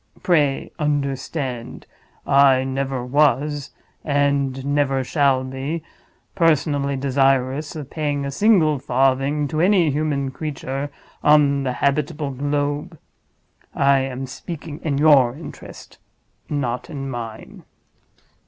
"Pray understand! I never was—and never shall be—personally desirous of paying a single farthing to any human creature on the habitable globe. I am speaking in your interest, not in mine."